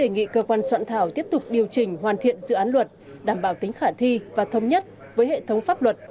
nghị cơ quan soạn thảo tiếp tục điều chỉnh hoàn thiện dự án luật đảm bảo tính khả thi và thống nhất với hệ thống pháp luật